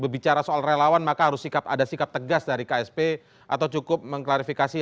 bicara soal relawan maka harus sikap ada sikap tegas dari ksp atau cukup mengklarifikasi